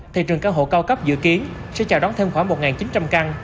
thị trường căn hộ cao cấp dự kiến sẽ chào đón thêm khoảng một chín trăm linh căn